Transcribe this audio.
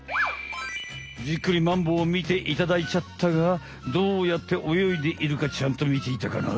じっくりマンボウを見ていただいちゃったがどうやって泳いでいるかちゃんと見ていたかな？